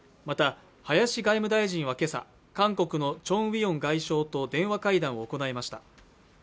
また林外務大臣はけさ韓国のチョン・ウィヨン外相と電話会談を行いました